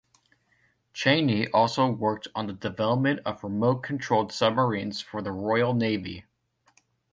Cheney also worked on the development of remote controlled submarines for the Royal Navy.